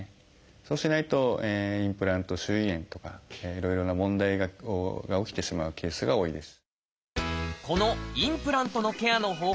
そうしないとインプラント周囲炎とかいろいろな問題が起きてしまうケースが多いです。